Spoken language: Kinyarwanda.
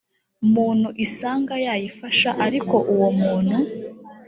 muntu isanga yayifasha ariko uwo muntu